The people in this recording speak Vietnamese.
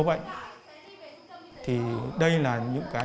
à thanh xuân à